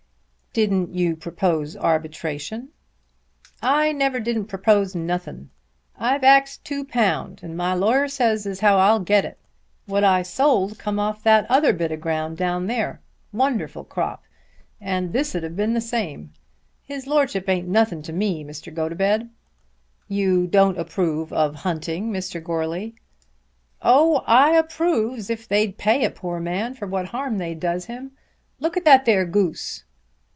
"Didn't you propose arbitration?" "I never didn't propose nothin'. I've axed two pound, and my lawyer says as how I'll get it. What I sold come off that other bit of ground down there. Wonderful crop! And this 'd've been the same. His Lordship ain't nothin' to me, Mr. Gotobed." "You don't approve of hunting, Mr. Goarly?" "Oh, I approves if they'd pay a poor man for what harm they does him. Look at that there goose."